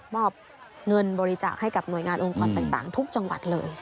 มอบเงินบริจาคให้กับหน่วยงานองค์กรต่างทุกจังหวัดเลย